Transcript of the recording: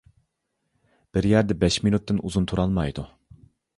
بىر يەردە بەش مىنۇتتىن ئۇزۇن تۇرالمايدۇ.